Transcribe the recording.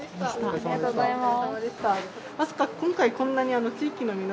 ありがとうございます。